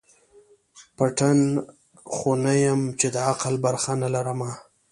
پتڼ خو نه یم چي د عقل برخه نه لرمه